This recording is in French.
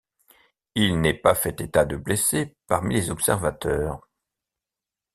Il n'est pas fait état de blessés parmi les observateurs.